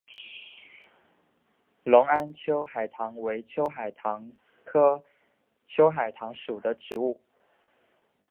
隆安秋海棠为秋海棠科秋海棠属的植物。